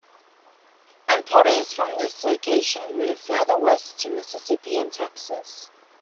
And potters from this location moved further West to Mississippi and Texas.